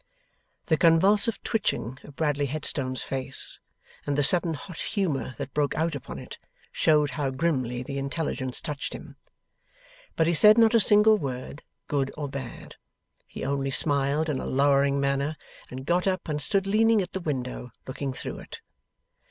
The convulsive twitching of Bradley Headstone's face, and the sudden hot humour that broke out upon it, showed how grimly the intelligence touched him. But he said not a single word, good or bad. He only smiled in a lowering manner, and got up and stood leaning at the window, looking through it.